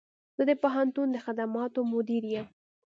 زه د پوهنتون د خدماتو مدیر یم